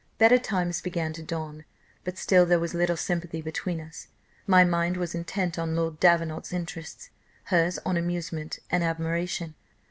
Better times began to dawn, but still there was little sympathy between us; my mind was intent on Lord Davenant's interests, hers on amusement and admiration.